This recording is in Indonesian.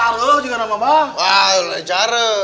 lu pengen berubah aja